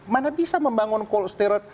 mana bisa membangun cold sterot